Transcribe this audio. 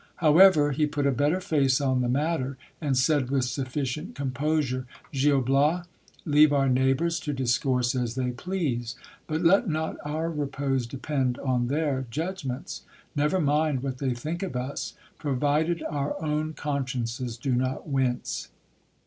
However, he put a better face on the matter, and said with sufficient composure : Gil Bias, leave our neighbours to discourse as they please, but let not our repose depend on their judgments. Never mind what they think of us, provided our own con sciences do not wince.